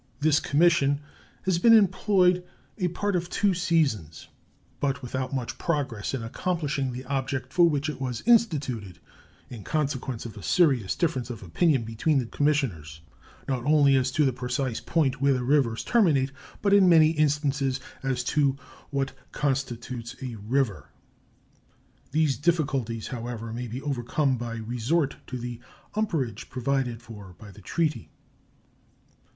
This commission has been employed a part of two seasons, but without much progress in accomplishing the object for which it was instituted, in consequence of a serious difference of opinion between the commissioners, not only as to the precise point where the rivers terminate, but in many instances as to what constitutes a river. These difficulties, however, may be overcome by resort to the umpirage provided for by the treaty.